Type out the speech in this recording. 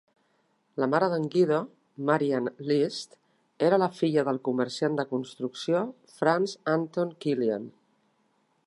La mare d'en Guido, Marian List, era la filla del comerciant de construcció Franz Anton Killian.